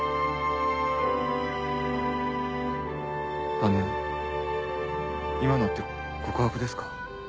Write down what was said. あの今のって告白ですか？